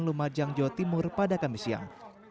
lumajang jawa timur pada kamis siang